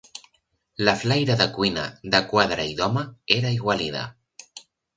La flaire de cuina, de quadra i d'home, era aigualida